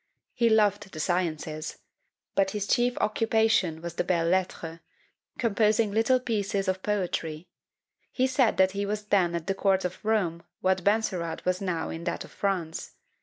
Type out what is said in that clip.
He loved the sciences; but his chief occupation was the belles lettres, composing little pieces of poetry; he said that he was then in the court of Rome what Benserade was now in that of France.